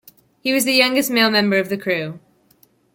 He was the youngest male member of the crew.